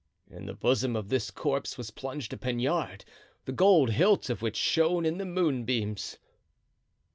In the bosom of this corpse was plunged a poniard, the gold hilt of which shone in the moonbeams.